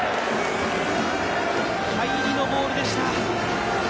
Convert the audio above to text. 返りのボールでした。